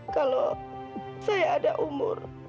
kalau saya ada umur